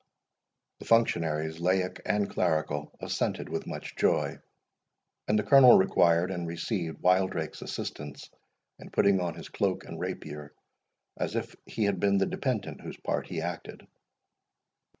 The functionaries, laic and clerical, assented with much joy; and the Colonel required and received Wildrake's assistance in putting on his cloak and rapier, as if he had been the dependent whose part he acted.